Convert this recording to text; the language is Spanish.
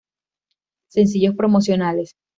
Sencillos promocionales